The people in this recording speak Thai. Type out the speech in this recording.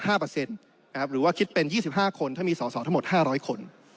หรือว่าคิดเป็น๒๕คนถ้ามีสอสอทั้งหมด๕๐๐คน